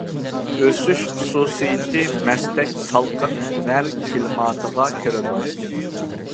ئۆسۈش خۇسۇسىيىتى مەستەك سالقىن نەم كىلىماتىغا كىرىدۇ.